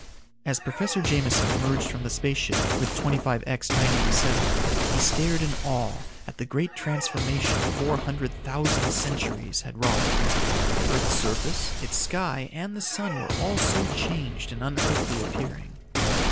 As Professor Jameson emerged from the space ship with 25X 987, he stared in awe at the great transformation four hundred thousand centuries had wrought. The earth's surface, its sky and the sun were all so changed and unearthly appearing.